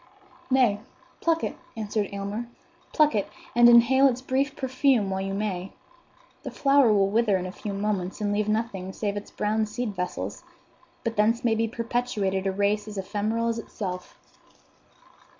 "Nay, pluck it," answered Aylmer,—"pluck it, and inhale its brief perfume while you may. The flower will wither in a few moments and leave nothing save its brown seed vessels; but thence may be perpetuated a race as ephemeral as itself."